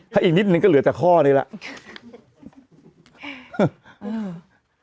ถ้าอีกนิดนึงก็เหลือแต่ข้อนี้แล้ว